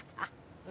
ini kan asisten